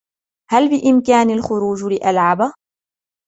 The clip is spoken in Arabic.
هل بإمكاني الخروج لألعب ؟